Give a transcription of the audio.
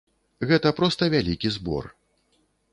Гэта проста вялікі збор.